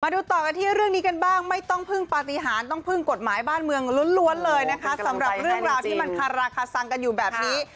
ดูต่อกันที่เรื่องนี้กันบ้างไม่ต้องพึ่งปฏิหารต้องพึ่งกฎหมายบ้านเมืองล้วนเลยนะคะสำหรับเรื่องราวที่มันคาราคาซังกันอยู่แบบนี้